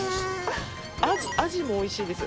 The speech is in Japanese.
あじもおいしいです。